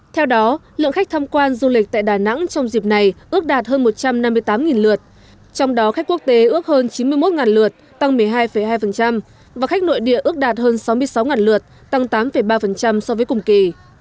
theo đó lượng khách tham quan du lịch tại đà nẵng trong dịp này ước đạt hơn một trăm năm mươi tám lượt trong đó khách quốc tế ước hơn chín mươi một lượt tăng một mươi hai hai và khách nội địa ước đạt hơn sáu mươi sáu lượt tăng tám ba so với cùng kỳ